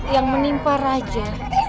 yang menimpa raja